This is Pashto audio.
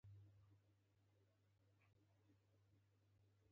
🦀 چنګاښ